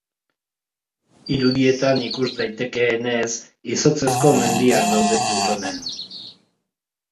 Irudietan ikus daitekeenez, izotzezko mendiak daude Plutonen.